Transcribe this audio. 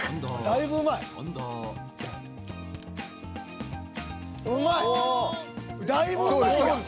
だいぶうまいやん］